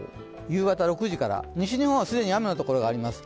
夕方６時から、西日本は既に雨のところがあります。